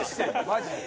マジで。